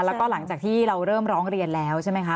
แล้วก็หลังจากที่เราเริ่มร้องเรียนแล้วใช่ไหมคะ